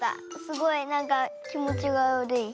すごいなんかきもちがわるい。